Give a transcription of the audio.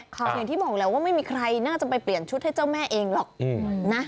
อย่างที่บอกแล้วว่าไม่มีใครน่าจะไปเปลี่ยนชุดให้เจ้าแม่เองหรอกนะ